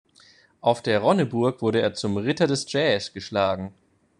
Auf der Ronneburg wurde er zum „Ritter des Jazz“ geschlagen.